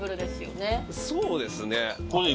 そうですね。